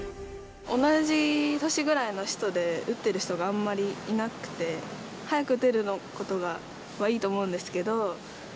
同じ年ぐらいの人で打ってる人があんまりいなくて、早く打てることはいいと思うんですけど。